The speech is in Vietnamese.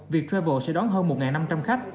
việc travel sẽ đón hơn một năm trăm linh khách